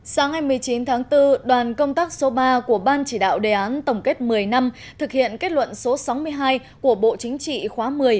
sáng ngày một mươi chín tháng bốn đoàn công tác số ba của ban chỉ đạo đề án tổng kết một mươi năm thực hiện kết luận số sáu mươi hai của bộ chính trị khóa một mươi